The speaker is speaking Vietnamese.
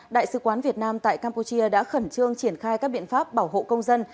đại sứ quán việt nam tại campuchia đã khẩn trương triển khai các biện pháp bảo hộ công dân